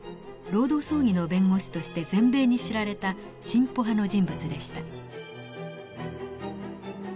労働争議の弁護士として全米に知られた進歩派の人物でした。